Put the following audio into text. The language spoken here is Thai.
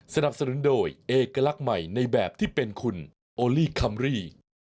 สนับสนุนโดยเอกลักษณ์ใหม่ในแบบที่เป็นคุณโอลี่คัมรี่